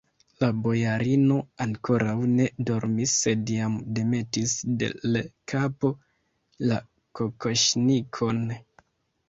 La bojarino ankoraŭ ne dormis, sed jam demetis de l' kapo la kokoŝnikon.